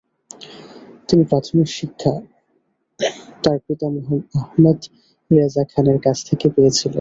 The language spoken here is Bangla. তিনি প্রাথমিক শিক্ষা তার পিতা আহমদ রেজা খানের কাছ থেকে পেয়েছিলেন।